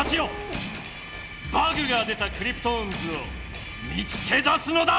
バグが出たクリプトオンズを見つけだすのだ！